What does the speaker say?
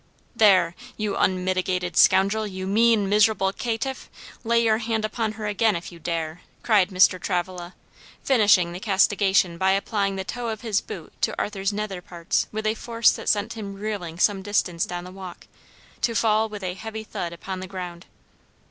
"There, you unmitigated scoundrel, you mean, miserable caitiff; lay your hand upon her again if you dare!" cried Mr. Travilla, finishing the castigation by applying the toe of his boot to Arthur's nether parts with a force that sent him reeling some distance down the walk, to fall with a heavy thud upon the ground.